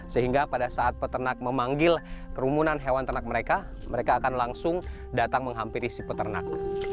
sehingga pada saat peternak memanggil kerumunan hewan ternak mereka mereka akan langsung datang menghampiri si peternak